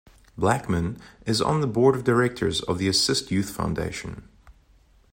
Blackman is on the Board of Directors of the Assist Youth Foundation.